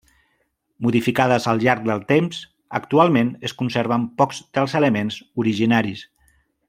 Modificades al llarg del temps, actualment es conserven pocs dels elements originaris.